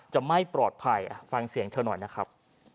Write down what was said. จะไม่ปลอดภัยฟังเสียงเธอหน่อยนะครับ